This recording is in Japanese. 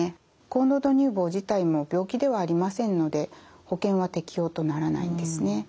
高濃度乳房自体も病気ではありませんので保険は適用とならないんですね。